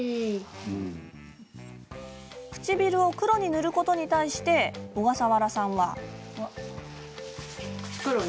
唇を黒に塗ることに対して小笠原さんは。